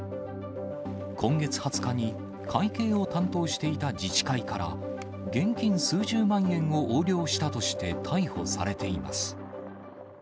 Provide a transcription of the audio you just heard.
今月２０日に会計を担当していた自治会から、現金数十万円を横領したとして、逮捕されています。